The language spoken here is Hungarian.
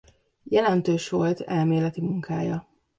Jelentős volt elméleti munkája.